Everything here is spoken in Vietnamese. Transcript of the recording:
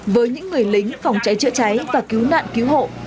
với những người lính phòng cháy chữa cháy và cứu nạn cứu hộ